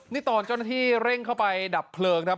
นี่ตอนเจ้าหน้าที่เร่งเข้าไปดับเพลิงครับ